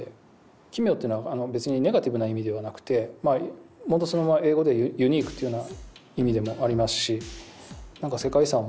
奇妙っていうのは別にネガティブな意味ではなくて本当そのまま英語で「ユニーク」っていうような意味でもありますし。